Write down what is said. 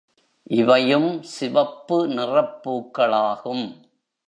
இவையும் சிவப்பு நிறப் பூக்களாகும்.